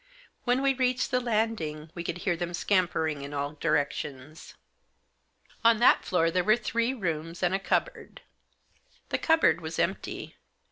When we reached the landing we could hear them scampering in all directions. On that floor there were three rooms and a cup board. The cupboard was empty.